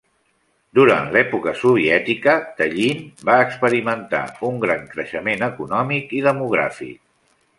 Durant l'època soviètica, Tallinn va experimentar un gran creixement econòmic i demogràfic.